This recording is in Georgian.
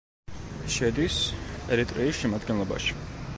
შედის ერიტრეის შემადგენლობაში.